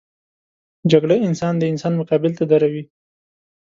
جګړه انسان د انسان مقابل ته دروي